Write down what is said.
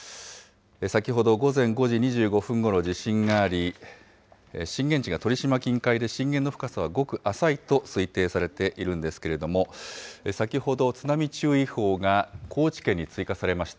先ほど午前５時２５分ごろ地震があり、震源地が鳥島近海で、震源の深さはごく浅いと推計されているんですけれども、先ほど、津波注意報が高知県に追加されました。